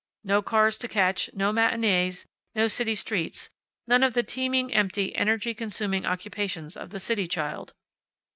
No cars to catch, no matinees, no city streets, none of the teeming, empty, energy consuming occupations of the city child.